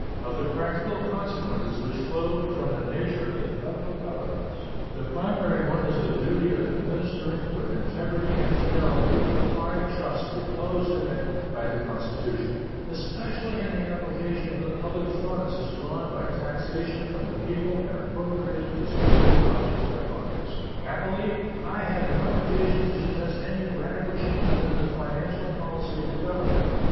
Of the practical consequences which flow from the nature of the Federal Government, the primary one is the duty of administering with integrity and fidelity the high trust reposed in it by the Constitution, especially in the application of the public funds as drawn by taxation from the people and appropriated to specific objects by Congress. Happily, I have no occasion to suggest any radical changes in the financial policy of the Government.